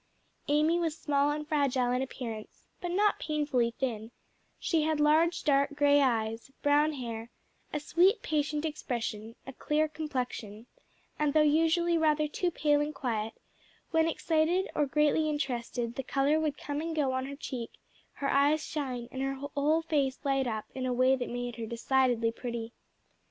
Amy was small and fragile in appearance, but not painfully thin; she had large dark grey eyes, brown hair, a sweet patient expression, a clear complexion, and though usually rather too pale and quiet, when excited or greatly interested the color would come and go on her cheek, her eyes shine, and her whole face light up in a way that made her decidedly pretty.